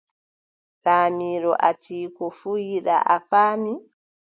Lamɗo Atiiku fuu wii yiɗaa. a faami.